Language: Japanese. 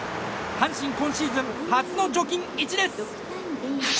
阪神、今シーズン初の貯金１です。